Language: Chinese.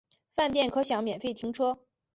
饭店可享免费停车